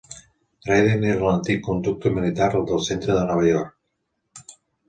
Dryden era a l'antic conducte militar del centre de Nova York.